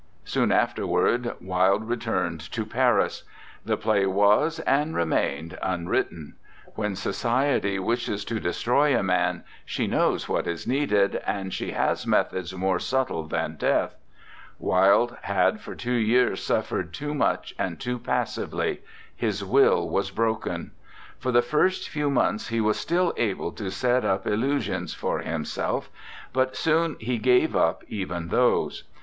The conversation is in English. Soon afterward Wilde returned to Paris. The play was, and remained, un written. When Society wishes to de stroy a man, she knows what is needed, and she has methods more subtle than death. ... Wilde had for two years suffered too much and too passively; his will was broken. For the first few months he was still able to set up illu sions for himself; but soon he gave up even those.